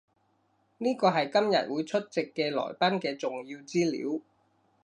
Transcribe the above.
呢個係今日會出席嘅來賓嘅重要資料